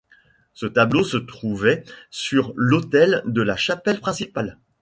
Ce tableau se trouvait sur l'autel de la chapelle principale.